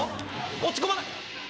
落ち込まな。